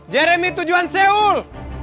jeremy tujuan seoul